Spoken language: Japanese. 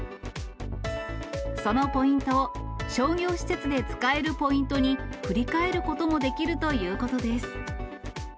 そのポイントを商業施設で使えるポイントに振り替えることもできるということです。